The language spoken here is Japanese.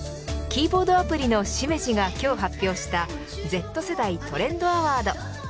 キーボードアプリのＳｉｍｅｊｉが今日発表したＺ世代トレンドアワード。